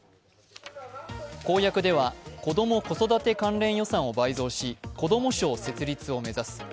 公約では子ども・子育て関連予算を倍増し子ども省設立を目指す。